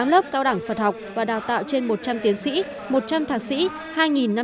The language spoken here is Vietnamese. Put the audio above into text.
sáu lớp cao đẳng phật học và đào tạo trên một trăm linh tiến sĩ một trăm linh thạc sĩ